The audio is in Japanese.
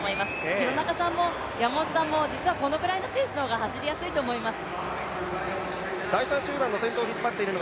廣中さんも山本さんも実はこのくらいのペースの方が走りやすいと思います。